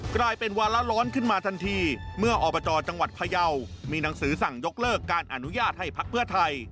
กลายเป็นวาระร้อนขึ้นมาทันทีเมื่ออบจจังหวัดพยาวมีหนังสือสั่งยกเลิกการอนุญาตให้พักเพื่อไทย